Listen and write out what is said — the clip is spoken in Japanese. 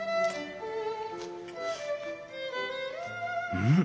うん！